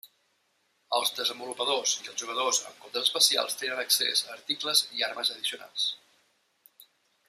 Els desenvolupadors i els jugadors amb comptes especials tenen accés a articles i armes addicionals.